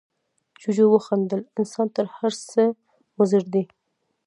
جوجو وخندل، انسان تر هر څه مضر دی.